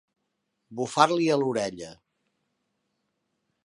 Bufar-li a l'orella.